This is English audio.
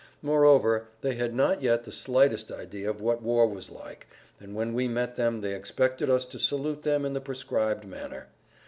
Moreover, they had not yet the slightest idea of what war was like, and when we met them they expected us to salute them in the prescribed manner.